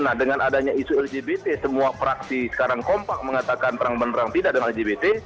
nah dengan adanya isu lgbt semua fraksi sekarang kompak mengatakan terang benerang tidak dengan lgbt